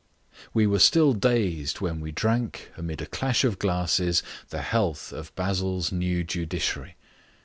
We were still dazed when we drank, amid a crash of glasses, the health of Basil's new judiciary.